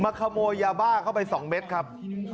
ขโมยยาบ้าเข้าไป๒เม็ดครับ